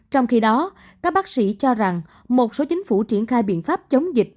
trong khi đó các bác sĩ cho rằng một số chính phủ triển khai biện pháp chống dịch